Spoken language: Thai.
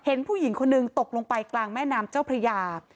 เห็นผู้หญิงคนหนึ่งตกลงไปกลางแม่น้ำเจ้าพระยา